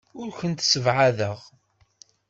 Ur kent-ssebɛadeɣ.